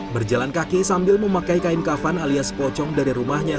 berjalan kaki sambil memakai kain kafan alias pocong dari rumahnya